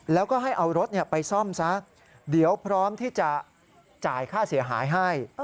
แล้วก็ให้เอารถไปซ่อมซะเดี๋ยวพร้อมที่จะจ่ายค่าเสียหายให้